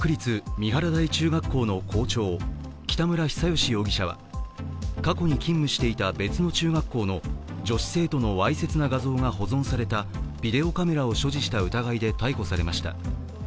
三原台中学校の校長、北村比左嘉容疑者は過去に勤務していた別の中学校の女子生徒のわいせつな画像が保存されたビデオカメラを所持した疑いで逮捕されました。